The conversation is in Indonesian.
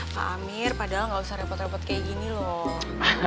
ke amir padahal nggak usah repot repot kayak gini loh